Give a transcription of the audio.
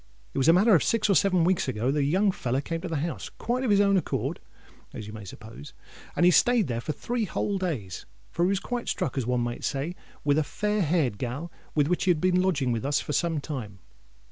It was a matter of six or seven weeks ago that a young feller came to the house, quite on his own accord, as you may suppose; and he stayed there three whole days, for he was quite struck, as one may say, with a fair haired gal which had been lodging with us for some time.